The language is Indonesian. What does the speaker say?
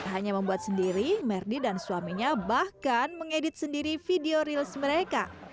hanya membuat sendiri merdi dan suaminya bahkan mengedit sendiri video reals mereka